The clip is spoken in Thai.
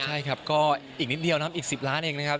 ใช่ครับก็อีกนิดเดียวนะครับอีก๑๐ล้านเองนะครับ